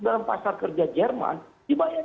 dalam pasar kerja jerman dibayar